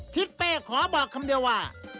ทิศเป้ขอบอกคำเดียวว่า